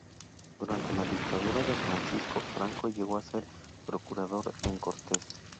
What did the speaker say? Durante la dictadura de Francisco Franco llegó a ser procurador en Cortes.